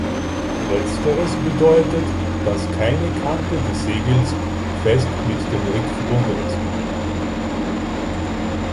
Letzteres bedeutet, dass keine Kante des Segels fest mit dem Rigg verbunden ist.